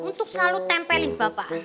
untuk selalu tempelin bapak